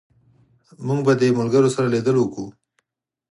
موږ به د ملګرو سره لیدل وکړو